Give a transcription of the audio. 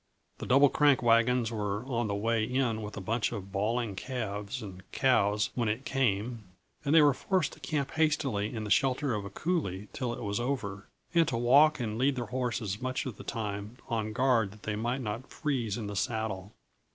The Double Crank wagons were on the way in with a bunch of bawling calves and cows when it came, and they were forced to camp hastily in the shelter of a coulée till it was over, and to walk and lead their horses much of the time on guard that they might not freeze in the saddle.